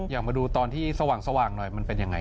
อยากมาดูตอนที่สว่างหน่อยมันเป็นยังไง